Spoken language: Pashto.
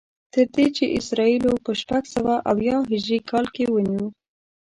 تر دې چې اسرائیلو په شپږسوه او اویا هجري کال کې ونیو.